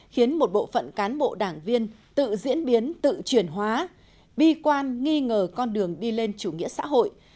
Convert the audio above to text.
khiến một bộ phận cán bộ đảng viên tự diễn biến tự chuyển hóa bi quan nghi ngờ con đường đi lên chủ nghĩa xã hội